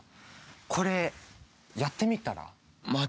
これやってみたら？